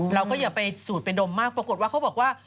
อย่าไปสูดไปดมมากปรากฏว่าเขาบอกว่า